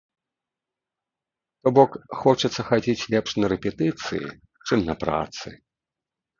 То бок, хочацца хадзіць лепш на рэпетыцыі, чым на працы.